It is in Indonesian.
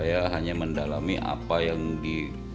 saya hanya mendalami apa yang saya lakukan